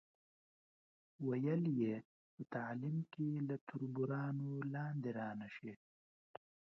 ویل یې په تعلیم کې له تربورانو لاندې را نشئ.